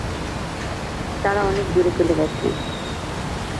তারা অনেক দূর চলে গেছে।